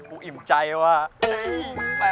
ไปแล้วนะ